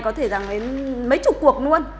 có thể rằng đến mấy chục cuộc luôn